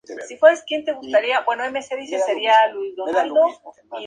Su primer equipo fue el Real Murcia con el que jugó todos los encuentros.